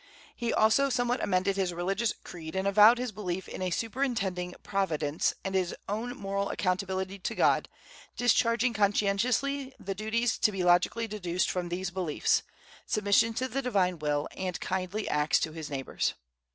He also somewhat amended his religious creed, and avowed his belief in a superintending Providence and his own moral accountability to God, discharging conscientiously the duties to be logically deduced from these beliefs, submission to the Divine will, and kindly acts to his neighbors.